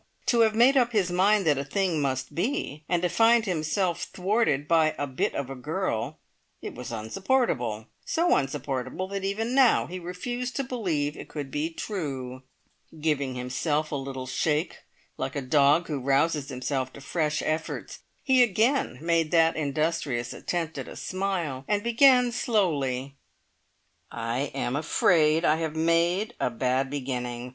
To have made up his mind that a thing must be, and to find himself thwarted by a bit of a girl it was unsupportable! so unsupportable, that even now he refused to believe it could be true. Giving himself a little shake, like a dog who rouses himself to fresh efforts, he again made that industrious attempt at a smile, and began slowly: "I am afraid I have made a bad beginning!